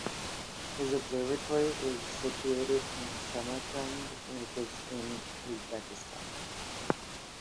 His observatory is situated in Samarkand which is in Uzbekistan.